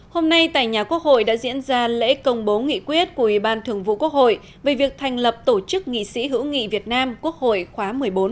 hôm nay tại nhà quốc hội đã diễn ra lễ công bố nghị quyết của ủy ban thường vụ quốc hội về việc thành lập tổ chức nghị sĩ hữu nghị việt nam quốc hội khóa một mươi bốn